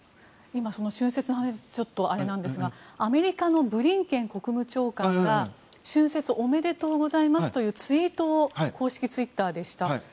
今、春節の話でちょっとあれなんですがアメリカのブリンケン国務長官が春節おめでとうございますというツイートを公式ツイッターでした。